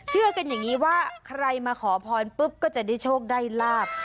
เชื่อกันอย่างนี้ว่าใครมาขอพรปุ๊บก็จะได้โชคได้ลาบ